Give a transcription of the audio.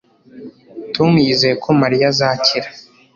Tom yizeye ko Mariya azakira